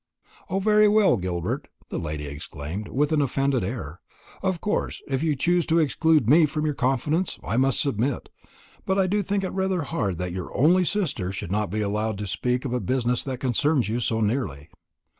"O, very well, Gilbert," the lady exclaimed, with an offended air; "of course, if you choose to exclude me from your confidence, I must submit; but I do think it rather hard that your only sister should not be allowed to speak of a business that concerns you so nearly."